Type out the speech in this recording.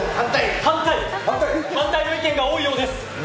反対の意見が多いようです。